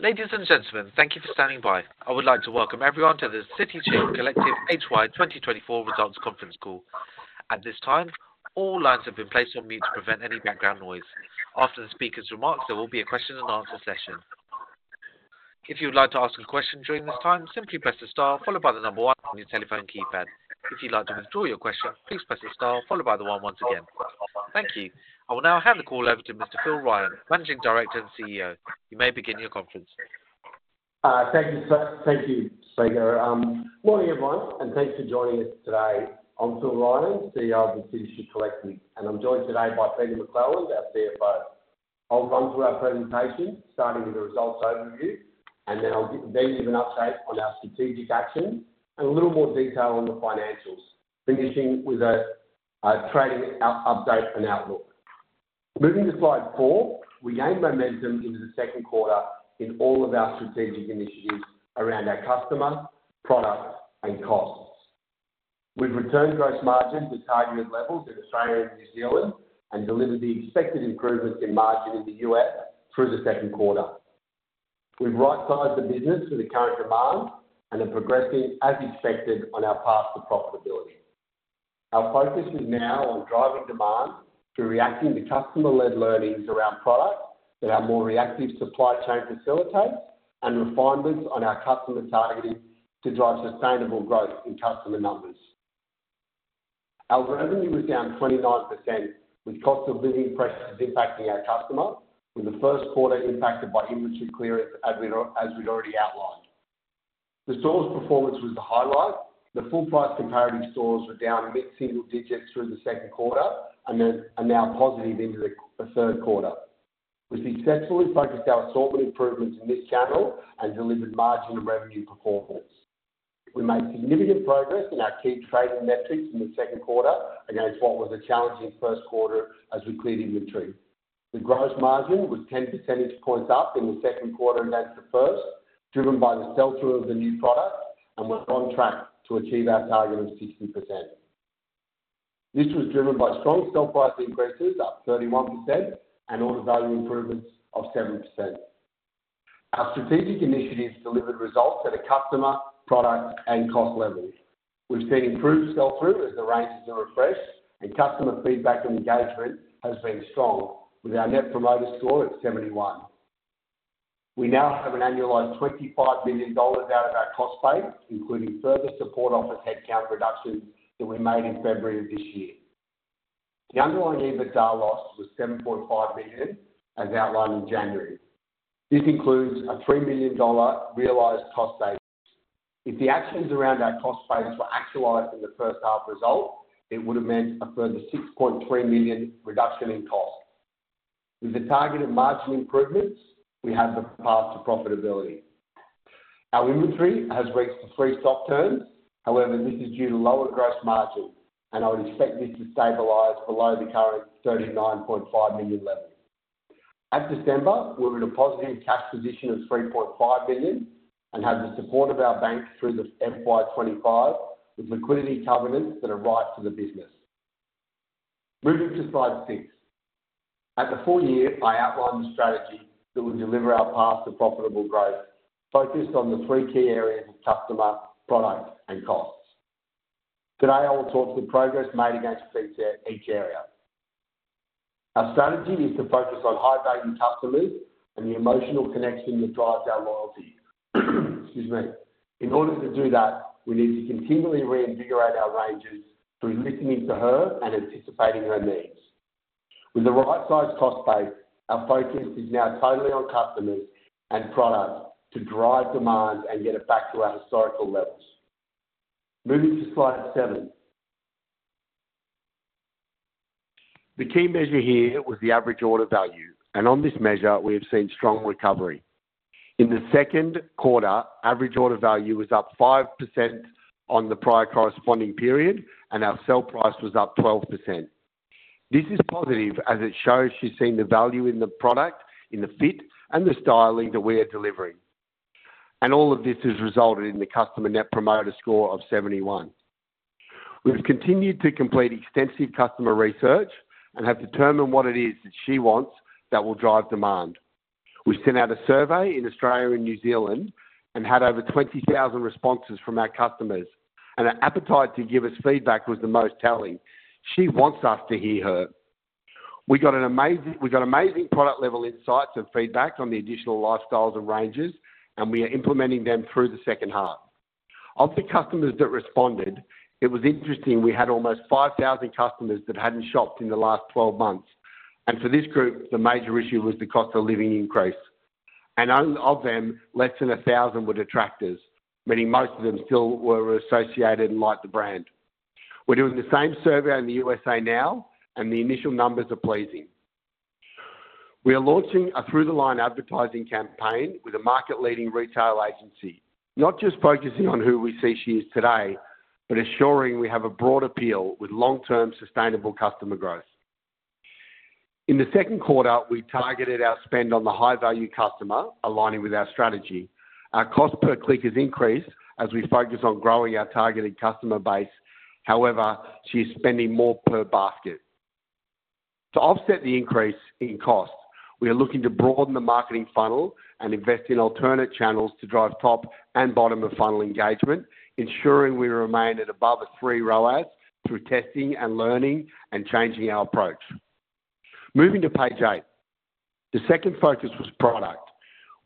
Ladies and gentlemen, thank you for standing by. I would like to welcome everyone to the City Chic Collective FY 2024 Results Conference Call. At this time, all lines have been placed on mute to prevent any background noise. After the speaker's remarks, there will be a question and answer session. If you would like to ask a question during this time, simply press the star followed by the number one on your telephone keypad. If you'd like to withdraw your question, please press the star followed by the one once again. Thank you. I will now hand the call over to Mr. Phil Ryan, Managing Director and CEO. You may begin your conference. Thank you, speaker. Good morning, everyone, and thanks for joining us today. I'm Phil Ryan, CEO of City Chic Collective, and I'm joined today by Peter McClelland, our CFO. I'll run through our presentation, starting with the results overview, and then I'll give an update on our strategic actions and a little more detail on the financials, finishing with a trading update and outlook. Moving to Slide 4, we gained momentum into the second quarter in all of our strategic initiatives around our customer, product, and costs. We've returned gross margins to targeted levels in Australia and New Zealand and delivered the expected improvements in margin in the U.S. through the second quarter. We've right-sized the business for the current demand and are progressing as expected on our path to profitability. Our focus is now on driving demand through reacting to customer-led learnings around product that our more reactive supply chain facilitates and refinements on our customer targeting to drive sustainable growth in customer numbers. Our revenue was down 29%, with cost of living pressures impacting our customer, with the first quarter impacted by inventory clearance, as we'd already outlined. The store's performance was the highlight. The full price comparative stores were down mid-single digits through the second quarter and then are now positive into the third quarter. We successfully focused our assortment improvements in this channel and delivered margin and revenue performance. We made significant progress in our key trading metrics in the second quarter against what was a challenging first quarter as we cleared inventory. The gross margin was 10 percentage points up in the second quarter against the first, driven by the sell-through of the new product, and we're on track to achieve our target of 60%. This was driven by strong sell price increases, up 31%, and order value improvements of 7%. Our strategic initiatives delivered results at a customer, product, and cost level. We've seen improved sell-through as the ranges are refreshed, and customer feedback and engagement has been strong, with our Net Promoter Score at 71. We now have an annualized 25 million dollars out of our cost base, including further support office headcount reductions that we made in February of this year. The underlying EBITDA loss was 7.5 million, as outlined in January. This includes a 3 million dollar realized cost base. If the actions around our cost base were actualized in the first half result, it would have meant a further 6.3 million reduction in cost. With the targeted margin improvements, we have the path to profitability. Our inventory has reached the three stock turns. However, this is due to lower gross margin, and I would expect this to stabilize below the current 39.5 million level. At December, we were in a positive cash position of 3.5 million and have the support of our banks through the FY 2025, with liquidity covenants that are right for the business. Moving to Slide 6. At the full year, I outlined the strategy that would deliver our path to profitable growth, focused on the three key areas of customer, product, and costs. Today, I will talk to the progress made against each, each area. Our strategy is to focus on high-value customers and the emotional connection that drives our loyalty. Excuse me. In order to do that, we need to continually reinvigorate our ranges through listening to her and anticipating her needs. With the right size cost base, our focus is now totally on customers and products to drive demand and get it back to our historical levels. Moving to Slide 7. The key measure here was the average order value, and on this measure, we have seen strong recovery. In the second quarter, average order value was up 5% on the prior corresponding period, and our sell price was up 12%. This is positive as it shows she's seeing the value in the product, in the fit, and the styling that we are delivering. And all of this has resulted in the customer Net Promoter Score of 71. We've continued to complete extensive customer research and have determined what it is that she wants that will drive demand. We sent out a survey in Australia and New Zealand and had over 20,000 responses from our customers, and her appetite to give us feedback was the most telling. She wants us to hear her. We got amazing product-level insights and feedback on the additional lifestyles and ranges, and we are implementing them through the second half. Of the customers that responded, it was interesting, we had almost 5,000 customers that hadn't shopped in the last 12 months, and for this group, the major issue was the cost of living increase. Of them, less than 1,000 were detractors, meaning most of them still were associated and liked the brand. We're doing the same survey in the USA now, and the initial numbers are pleasing. We are launching a through-the-line advertising campaign with a market-leading retail agency, not just focusing on who we see she is today, but ensuring we have a broad appeal with long-term sustainable customer growth. In the second quarter, we targeted our spend on the high-value customer, aligning with our strategy. Our cost per click has increased as we focus on growing our targeted customer base. However, she's spending more per basket.... To offset the increase in costs, we are looking to broaden the marketing funnel and invest in alternate channels to drive top and bottom of funnel engagement, ensuring we remain at above a 3 ROAS through testing and learning and changing our approach. Moving to Page 8, the second focus was product.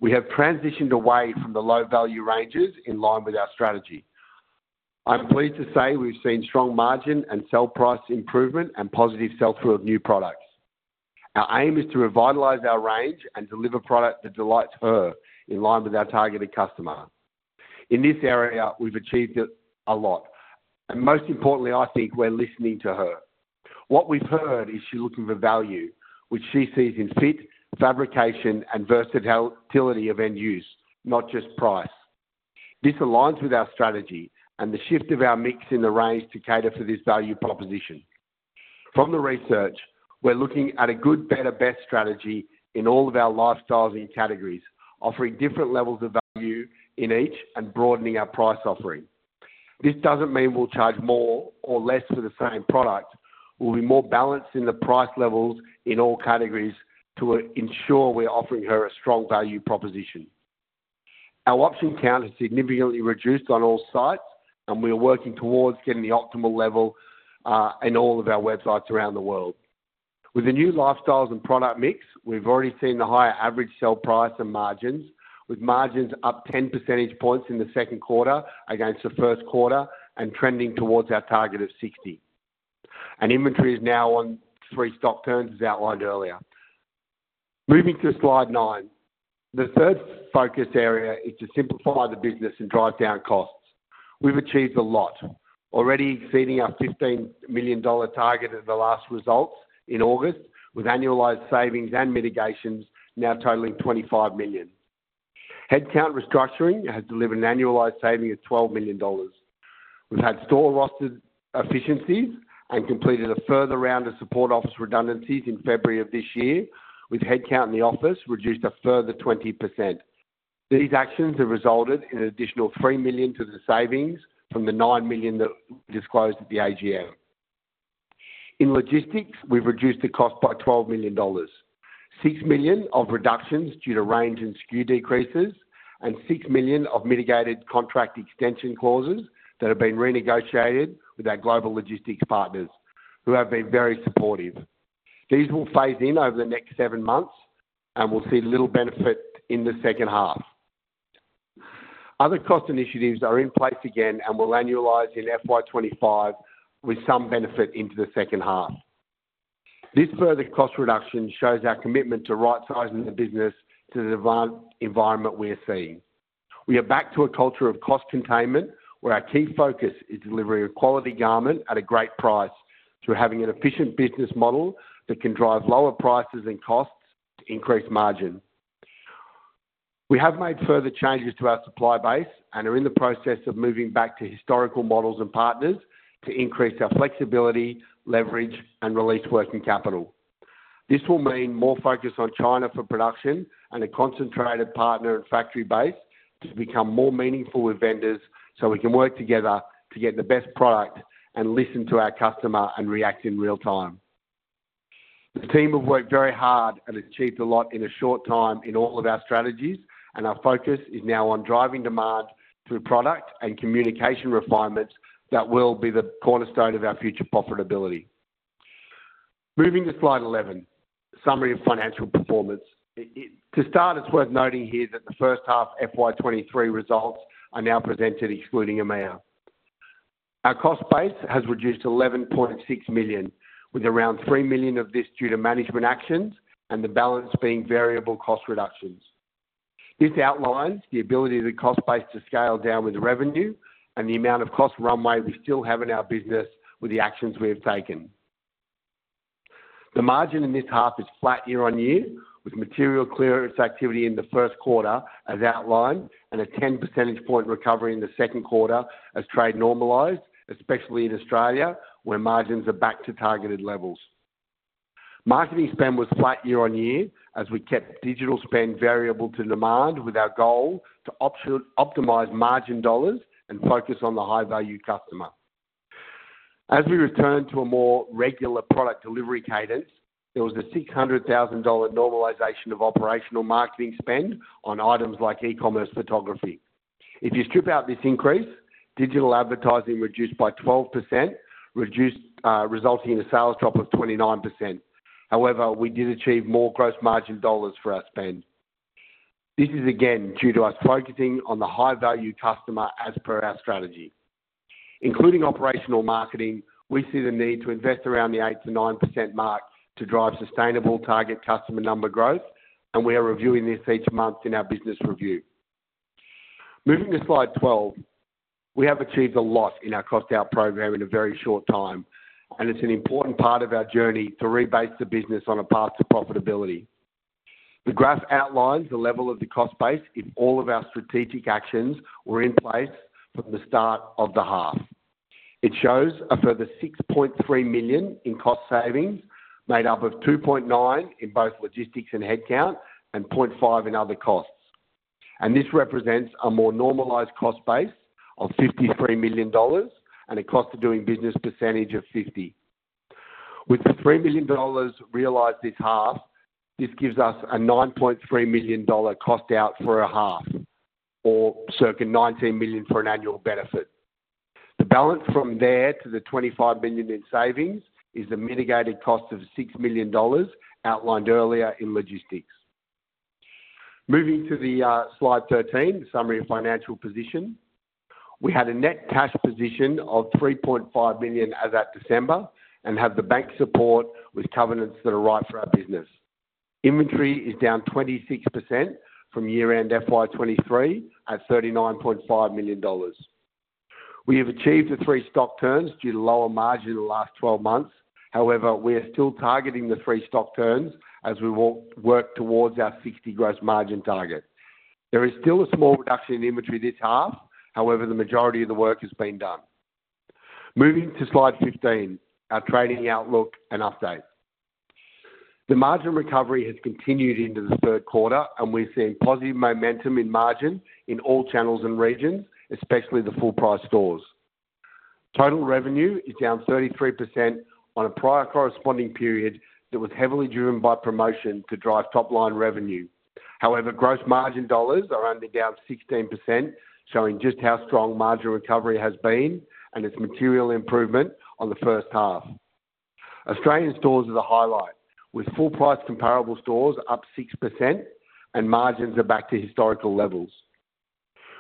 We have transitioned away from the low-value ranges in line with our strategy. I'm pleased to say we've seen strong margin and sell price improvement and positive sell-through of new products. Our aim is to revitalize our range and deliver product that delights her, in line with our targeted customer. In this area, we've achieved it a lot, and most importantly, I think we're listening to her. What we've heard is she's looking for value, which she sees in fit, fabrication, and versatility of end use, not just price. This aligns with our strategy and the shift of our mix in the range to cater for this value proposition. From the research, we're looking at a good, better, best strategy in all of our lifestyles and categories, offering different levels of value in each and broadening our price offering. This doesn't mean we'll charge more or less for the same product. We'll be more balanced in the price levels in all categories to ensure we're offering her a strong value proposition. Our option count has significantly reduced on all sites, and we are working towards getting the optimal level in all of our websites around the world. With the new lifestyles and product mix, we've already seen the higher average sale price and margins, with margins up 10 percentage points in the second quarter against the first quarter and trending towards our target of 60%. And inventory is now on 3 stock turns, as outlined earlier. Moving to Slide 9. The third focus area is to simplify the business and drive down costs. We've achieved a lot, already exceeding our 15 million dollar target at the last results in August, with annualized savings and mitigations now totaling 25 million. Headcount restructuring has delivered an annualized saving of 12 million dollars. We've had store roster efficiencies and completed a further round of support office redundancies in February of this year, with headcount in the office reduced a further 20%. These actions have resulted in an additional 3 million to the savings from the 9 million that we disclosed at the AGM. In logistics, we've reduced the cost by 12 million dollars, 6 million of reductions due to range and SKU decreases, and 6 million of mitigated contract extension clauses that have been renegotiated with our global logistics partners, who have been very supportive. These will phase in over the next seven months, and we'll see little benefit in the second half. Other cost initiatives are in place again and will annualize in FY 2025, with some benefit into the second half. This further cost reduction shows our commitment to right-sizing the business to the adverse environment we are seeing. We are back to a culture of cost containment, where our key focus is delivering a quality garment at a great price through having an efficient business model that can drive lower prices and costs to increase margin. We have made further changes to our supply base and are in the process of moving back to historical models and partners to increase our flexibility, leverage, and release working capital. This will mean more focus on China for production and a concentrated partner and factory base to become more meaningful with vendors, so we can work together to get the best product and listen to our customer and react in real time. The team have worked very hard and achieved a lot in a short time in all of our strategies, and our focus is now on driving demand through product and communication refinements that will be the cornerstone of our future profitability. Moving to Slide 11, summary of financial performance. To start, it's worth noting here that the first half FY 2023 results are now presented, excluding Avenue. Our cost base has reduced to 11.6 million, with around 3 million of this due to management actions and the balance being variable cost reductions. This outlines the ability of the cost base to scale down with revenue and the amount of cost runway we still have in our business with the actions we have taken. The margin in this half is flat year-on-year, with material clearance activity in the first quarter, as outlined, and a 10 percentage point recovery in the second quarter as trade normalized, especially in Australia, where margins are back to targeted levels. Marketing spend was flat year-on-year as we kept digital spend variable to demand, with our goal to optimize margin dollars and focus on the high-value customer. As we return to a more regular product delivery cadence, there was an 600,000 dollar normalization of operational marketing spend on items like e-commerce photography. If you strip out this increase, digital advertising reduced by 12%, reduced, resulting in a sales drop of 29%. However, we did achieve more gross margin dollars for our spend. This is again due to us focusing on the high-value customer as per our strategy. Including operational marketing, we see the need to invest around the 8%-9% mark to drive sustainable target customer number growth, and we are reviewing this each month in our business review. Moving to Slide 12, we have achieved a lot in our cost-out program in a very short time, and it's an important part of our journey to rebase the business on a path to profitability. The graph outlines the level of the cost base if all of our strategic actions were in place from the start of the half. It shows a further 6.3 million in cost savings, made up of 2.9 in both logistics and headcount and 0.5 in other costs. And this represents a more normalized cost base of 53 million dollars and a cost of doing business percentage of 50%. With the 3 million dollars realized this half, this gives us a 9.3 million dollar cost out for a half, or circa 19 million for an annual benefit. The balance from there to the 25 million in savings is the mitigated cost of 6 million dollars outlined earlier in logistics. Moving to the Slide 13, summary of financial position. We had a net cash position of 3.5 million as at December and have the bank support with covenants that are right for our business. Inventory is down 26% from year-end FY 2023 at 39.5 million dollars. We have achieved the three stock turns due to lower margin in the last 12 months. However, we are still targeting the three stock turns as we work towards our 60% gross margin target. There is still a small reduction in inventory this half, however, the majority of the work has been done. Moving to Slide 15, our trading outlook and update. The margin recovery has continued into the third quarter, and we've seen positive momentum in margin in all channels and regions, especially the full-price stores. Total revenue is down 33% on a prior corresponding period that was heavily driven by promotion to drive top-line revenue. However, gross margin dollars are only down 16%, showing just how strong margin recovery has been and its material improvement on the first half. Australian stores are the highlight, with full-price comparable stores up 6% and margins are back to historical levels.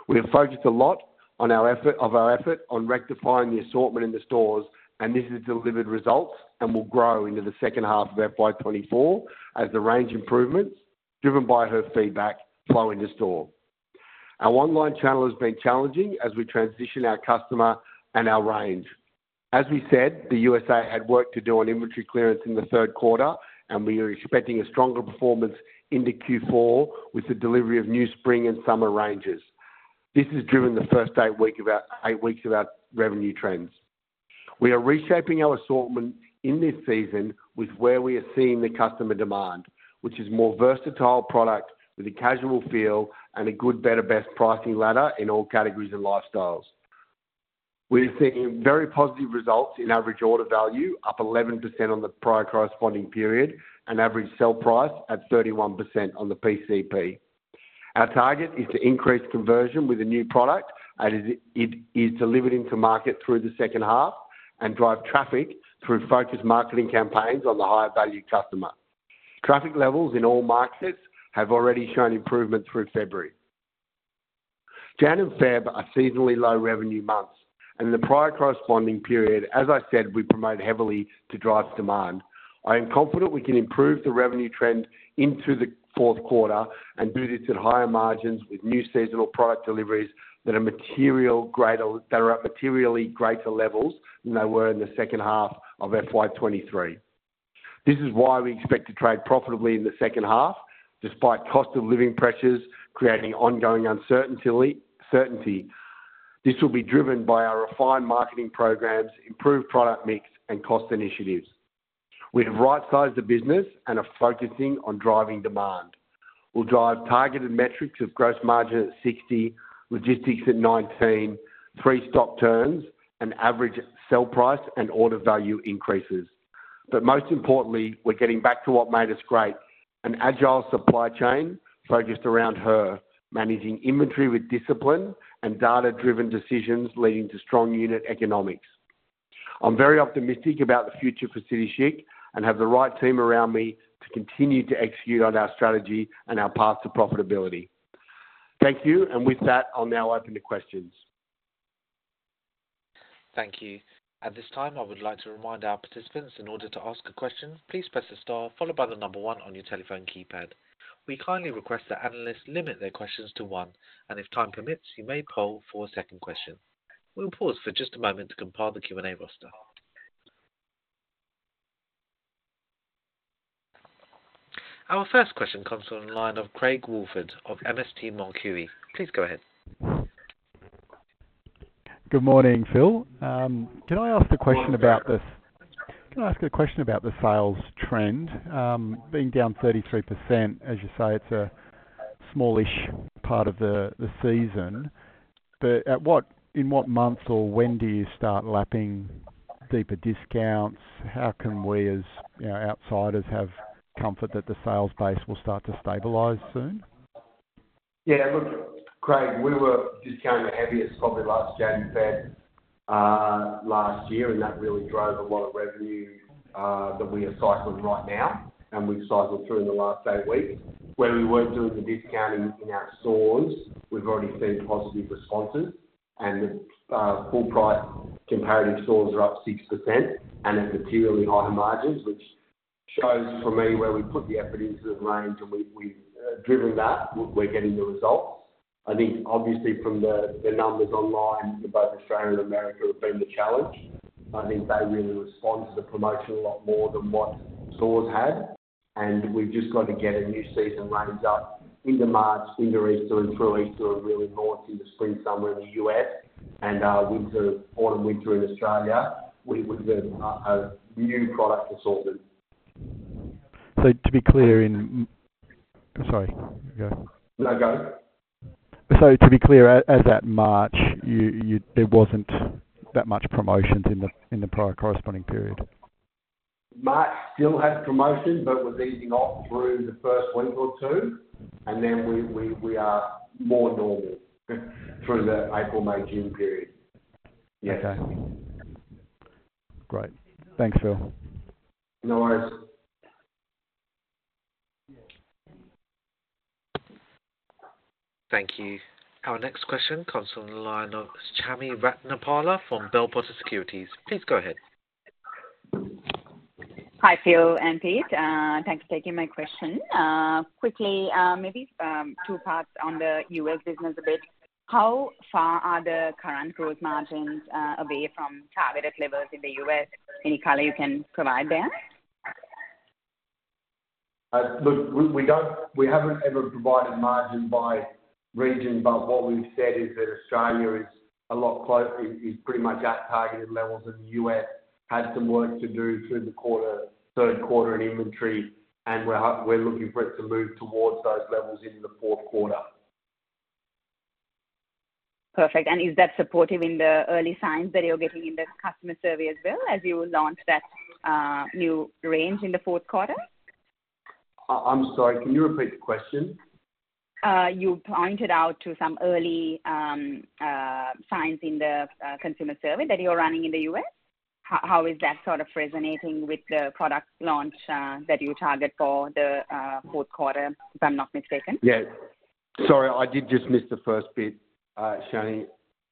We have focused a lot of our effort on rectifying the assortment in the stores, and this has delivered results and will grow into the second half of FY 2024 as the range improvements, driven by her feedback, flow into store. Our online channel has been challenging as we transition our customer and our range. As we said, the USA had worked to do an inventory clearance in the third quarter, and we are expecting a stronger performance into Q4 with the delivery of new spring and summer ranges. This has driven the first eight weeks of our revenue trends. We are reshaping our assortment in this season with where we are seeing the customer demand, which is more versatile product with a casual feel and a good, better, best pricing ladder in all categories and lifestyles. We are seeing very positive results in average order value, up 11% on the prior corresponding period, and average sell price at 31% on the PCP. Our target is to increase conversion with a new product, and it is delivering to market through the second half and drive traffic through focused marketing campaigns on the higher value customer. Traffic levels in all markets have already shown improvement through February. January and February are seasonally low revenue months, and in the prior corresponding period, as I said, we promote heavily to drive demand. I am confident we can improve the revenue trend into the fourth quarter and do this at higher margins with new seasonal product deliveries that are at materially greater levels than they were in the second half of FY 2023. This is why we expect to trade profitably in the second half, despite cost of living pressures creating ongoing uncertainty. This will be driven by our refined marketing programs, improved product mix, and cost initiatives. We have right-sized the business and are focusing on driving demand. We'll drive targeted metrics of gross margin at 60%, logistics at 19%, three stock turns, and average sell price and order value increases. But most importantly, we're getting back to what made us great, an agile supply chain focused around her, managing inventory with discipline and data-driven decisions leading to strong unit economics. I'm very optimistic about the future for City Chic and have the right team around me to continue to execute on our strategy and our path to profitability. Thank you, and with that, I'll now open to questions. Thank you. At this time, I would like to remind our participants, in order to ask a question, please press the star followed by the number one on your telephone keypad. We kindly request that analysts limit their questions to one, and if time permits, you may poll for a second question. We'll pause for just a moment to compile the Q&A roster. Our first question comes from the line of Craig Woolford of MST Marquee. Please go ahead. Good morning, Phil. Can I ask a question about the sales trend? Being down 33%, as you say, it's a smallish part of the season, but in what months or when do you start lapping deeper discounts? How can we, as, you know, outsiders, have comfort that the sales base will start to stabilize soon? Yeah, look, Craig, we were discounting the heaviest probably last January, last year, and that really drove a lot of revenue that we are cycling right now and we've cycled through in the last eight weeks. Where we weren't doing the discounting in our stores, we've already seen positive responses, and the full-price comparative stores are up 6% and at materially higher margins, which shows for me where we put the effort into the range and we've driven that, we're getting the results. I think obviously from the numbers online for both Australia and America have been the challenge. I think they really respond to the promotion a lot more than what stores had, and we've just got to get a new season range up into March, into Easter, and through Easter, and really north into spring, summer in the U.S., and winter, autumn, winter in Australia, with a new product assortment.... So to be clear, I'm sorry, go. No, go. So to be clear, as at March, there wasn't that much promotions in the prior corresponding period? March still had promotion, but was easing off through the first week or two, and then we are more normal through the April, May, June period. Yes. Okay. Great. Thanks, Phil. No worries. Thank you. Our next question comes from the line of Chami Ratnapala from Bell Potter Securities. Please go ahead. Hi, Phil and Peter.. Thanks for taking my question. Quickly, maybe two parts on the U.S. business a bit. How far are the current growth margins away from targeted levels in the U.S.? Any color you can provide there? Look, we don't—we haven't ever provided margin by region, but what we've said is that Australia is a lot close, is pretty much at targeted levels, and the U.S. has some work to do through the third quarter in inventory, and we're looking for it to move towards those levels in the fourth quarter. Perfect. And is that supportive in the early signs that you're getting in the customer survey as well, as you launch that new range in the fourth quarter? I'm sorry, can you repeat the question? You pointed out to some early signs in the consumer survey that you're running in the U.S. How is that sort of resonating with the product launch that you target for the fourth quarter, if I'm not mistaken? Yeah. Sorry, I did just miss the first bit, Chami.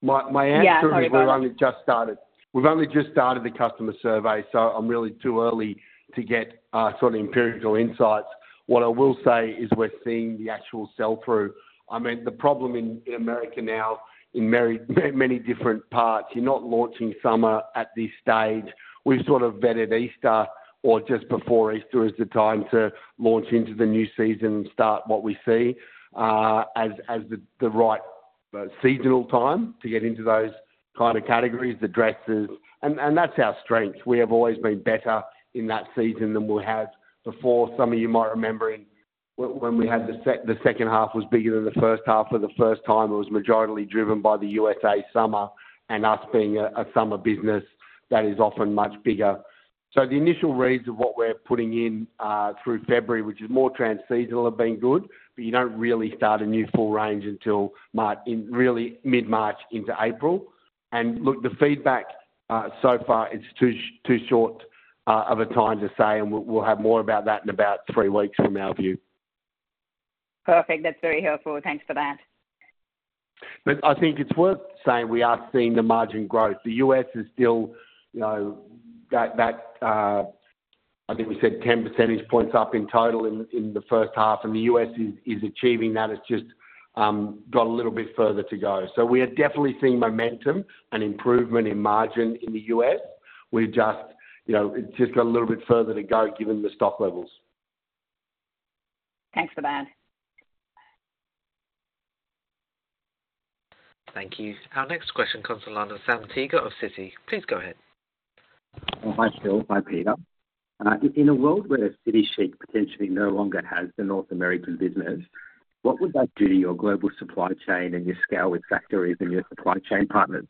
My answer- Yeah, sorry about that. We've only just started. We've only just started the customer survey, so I'm really too early to get sort of empirical insights. What I will say is we're seeing the actual sell-through. I mean, the problem in America now, in many different parts, you're not launching summer at this stage. We've sort of vetted Easter or just before Easter as the time to launch into the new season and start what we see as the right seasonal time to get into those kind of categories, the dresses. And that's our strength. We have always been better in that season than we have before. Some of you might remember when we had the second half was bigger than the first half for the first time. It was majorly driven by the USA summer, and us being a summer business, that is often much bigger. So the initial reads of what we're putting in through February, which is more transseasonal, have been good, but you don't really start a new full range until March, in really mid-March into April. And look, the feedback so far, it's too short of a time to say, and we'll have more about that in about three weeks from our view. Perfect. That's very helpful. Thanks for that. But I think it's worth saying we are seeing the margin growth. The U.S. is still, you know, that, I think we said 10 percentage points up in total in the first half, and the U.S. is achieving that. It's just got a little bit further to go. So we are definitely seeing momentum and improvement in margin in the U.S. We've just, you know, it's just got a little bit further to go given the stock levels. Thanks for that. Thank you. Our next question comes from the line of Sam Teeger of Citi. Please go ahead. Hi, Phil. Hi, Peter. In a world where City Chic potentially no longer has the North American business, what would that do to your global supply chain and your scale with factories and your supply chain partners?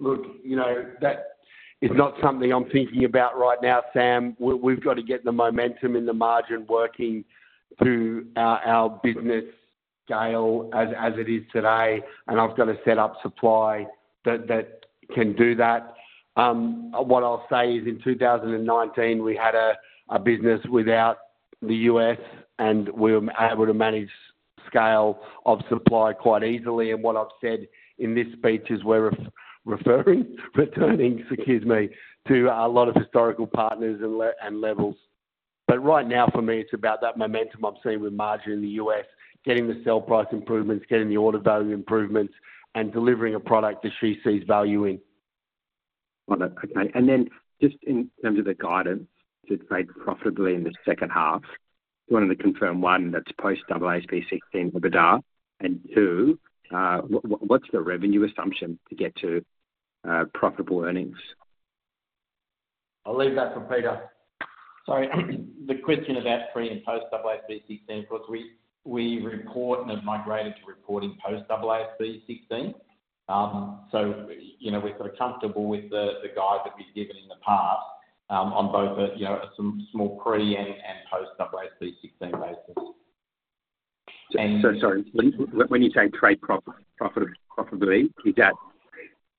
Look, you know, that is not something I'm thinking about right now, Sam. We, we've got to get the momentum and the margin working through our, our business scale as, as it is today, and I've got to set up supply that, that can do that. What I'll say is, in 2019, we had a, a business without the U.S., and we were able to manage scale of supply quite easily. And what I've said in this speech is we're referring, returning, excuse me, to a lot of historical partners and levels. But right now, for me, it's about that momentum I've seen with margin in the U.S., getting the sell price improvements, getting the order value improvements, and delivering a product that she sees value in. Got it. Okay. And then just in terms of the guidance to trade profitably in the second half, you wanted to confirm, one, that's post AASB 16 EBITDA, and two, what's the revenue assumption to get to profitable earnings? I'll leave that for Peter. Sorry, the question about pre- and post-AASB 16, because we report and have migrated to reporting post-AASB 16. So, you know, we're sort of comfortable with the guide that we've given in the past, on both a, you know, some small pre- and post-AASB 16 basis. And- Sorry, when you say trade profit, profit, profitably, is that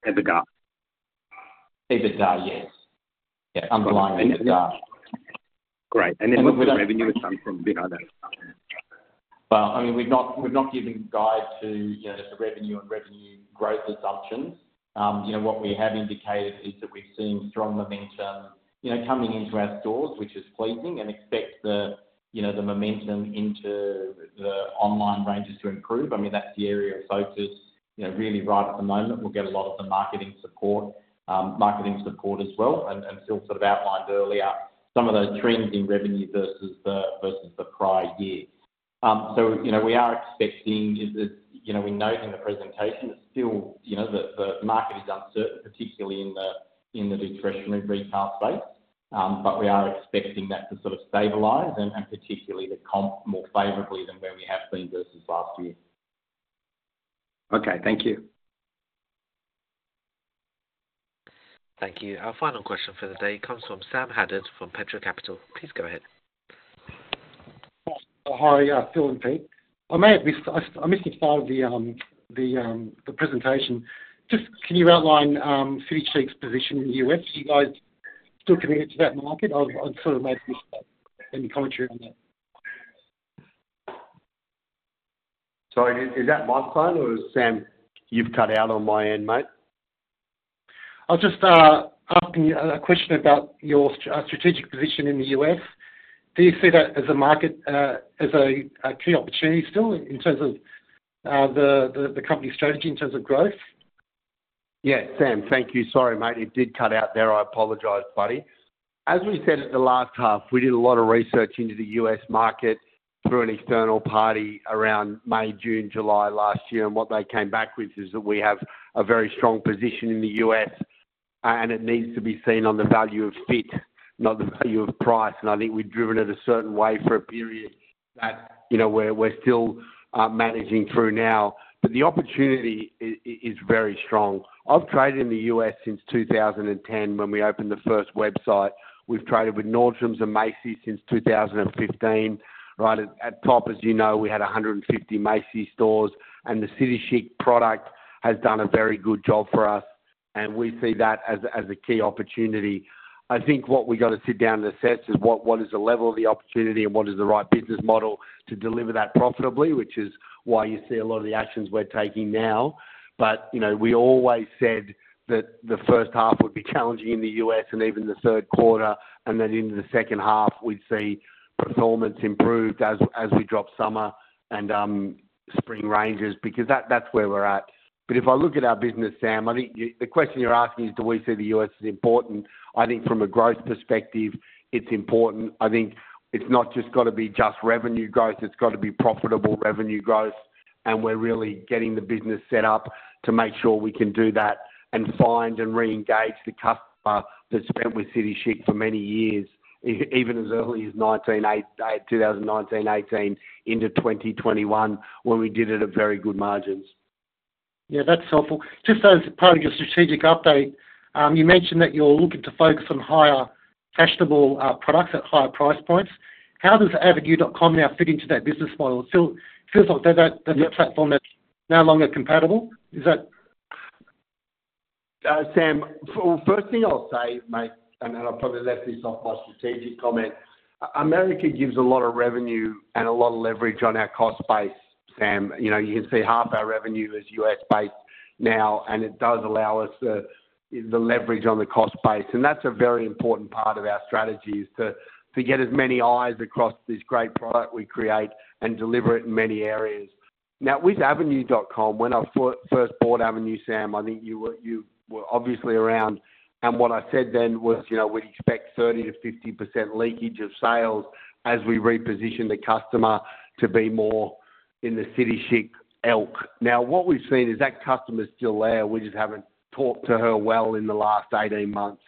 EBITDA? EBITDA, yes. Yeah, underlying EBITDA. Great. And then what's the revenue assumption behind that? Well, I mean, we've not, we've not given guide to, you know, the revenue and revenue growth assumptions. You know, what we have indicated is that we've seen strong momentum, you know, coming into our stores, which is pleasing, and expect the, you know, the momentum into the online ranges to improve. I mean, that's the area of focus, you know, really right at the moment, we'll get a lot of the marketing support, marketing support as well. And Phil sort of outlined earlier some of those trends in revenue versus the prior year. So, you know, we are expecting is that, you know, we note in the presentation that still, you know, the market is uncertain, particularly in the discretionary retail space. But we are expecting that to sort of stabilize and particularly to comp more favorably than where we have been versus last year. Okay, thank you. Thank you. Our final question for the day comes from Sam Haddad from Petra Capital. Please go ahead. Hi, yeah, Phil and Pete. I may have missed, I missed the start of the presentation. Just, can you outline City Chic's position in the U.S.? Are you guys still committed to that market? I've sort of made any commentary on that. Sorry, is that my phone or Sam, you've cut out on my end, mate? I'll just ask you a question about your strategic position in the U.S. Do you see that as a market as a key opportunity still, in terms of the company's strategy in terms of growth? Yeah, Sam, thank you. Sorry, mate. You did cut out there. I apologize, buddy. As we said at the last half, we did a lot of research into the U.S. market through an external party around May, June, July last year, and what they came back with is that we have a very strong position in the US, and it needs to be seen on the value of fit, not the value of price. And I think we've driven it a certain way for a period that, you know, we're still managing through now. But the opportunity is very strong. I've traded in the U.S. since 2010, when we opened the first website. We've traded with Nordstrom and Macy's since 2015. Right at the top, as you know, we had 150 Macy's stores, and the City Chic product has done a very good job for us, and we see that as a key opportunity. I think what we got to sit down and assess is what is the level of the opportunity and what is the right business model to deliver that profitably, which is why you see a lot of the actions we're taking now. But, you know, we always said that the first half would be challenging in the U.S. and even the third quarter, and then into the second half, we'd see performance improved as we drop summer and spring ranges, because that's where we're at. But if I look at our business, Sam, I think the question you're asking is, do we see the U.S. as important? I think from a growth perspective, it's important. I think it's not just got to be just revenue growth, it's got to be profitable revenue growth, and we're really getting the business set up to make sure we can do that and find and reengage the customer that spent with City Chic for many years, even as early as 2008, 2019, 2018 into 2021, when we did it at very good margins. Yeah, that's helpful. Just as part of your strategic update, you mentioned that you're looking to focus on higher fashionable products at higher price points. How does Avenue.com now fit into that business model? It still feels like that, that's a platform that's no longer compatible. Is that- Sam, first thing I'll say, mate, and I probably left this off my strategic comment. America gives a lot of revenue and a lot of leverage on our cost base, Sam. You know, you can see half our revenue is U.S.-based now, and it does allow us the leverage on the cost base. And that's a very important part of our strategy, is to get as many eyes across this great product we create and deliver it in many areas. Now, with Avenue.com, when I first bought Avenue, Sam, I think you were obviously around, and what I said then was, you know, we'd expect 30%-50% leakage of sales as we reposition the customer to be more in the City Chic ilk. Now, what we've seen is that customer is still there. We just haven't talked to her well in the last 18 months.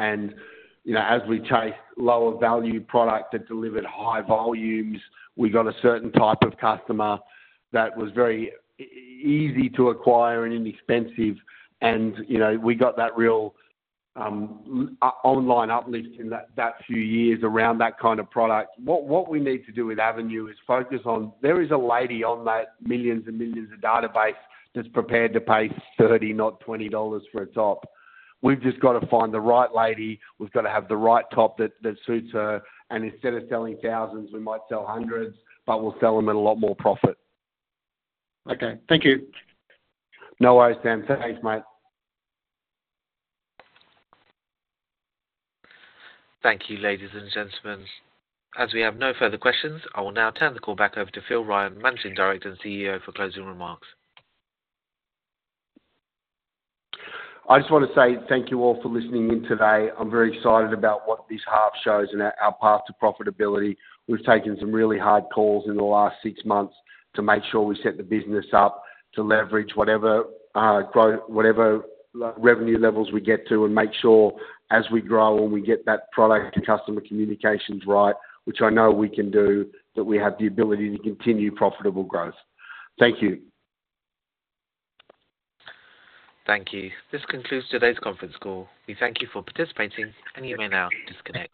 You know, as we chase lower value product that delivered high volumes, we got a certain type of customer that was very easy to acquire and inexpensive, and, you know, we got that real online uplift in that few years around that kind of product. What we need to do with Avenue is focus on. There is a lady on that millions and millions of database that's prepared to pay $30, not $20 for a top. We've just got to find the right lady, we've got to have the right top that suits her, and instead of selling thousands, we might sell 100s, but we'll sell them at a lot more profit. Okay, thank you. No worries, Sam. Thanks, mate. Thank you, ladies and gentlemen. As we have no further questions, I will now turn the call back over to Phil Ryan, Managing Director and CEO, for closing remarks. I just want to say thank you all for listening in today. I'm very excited about what this half shows and our path to profitability. We've taken some really hard calls in the last six months to make sure we set the business up to leverage whatever growth, whatever revenue levels we get to, and make sure as we grow and we get that product and customer communications right, which I know we can do, that we have the ability to continue profitable growth. Thank you. Thank you. This concludes today's conference call. We thank you for participating, and you may now disconnect.